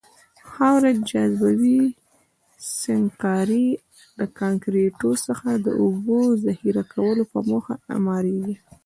خاورې، جاذبوي سنګکارۍ او کانکریتو څخه د اوبو د ذخیره کولو په موخه اعماريږي.